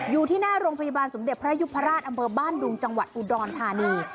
อยู่ที่หน้าโรงพยาบาลสมเด็จพระยุพราชอำเภอบ้านดุงจังหวัดอุดรธานี